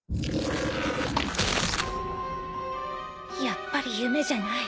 やっぱり夢じゃない。